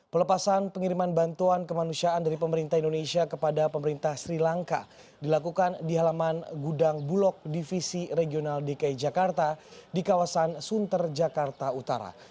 pelepasan pengiriman bantuan kemanusiaan dari pemerintah indonesia kepada pemerintah sri lanka dilakukan di halaman gudang bulog divisi regional dki jakarta di kawasan sunter jakarta utara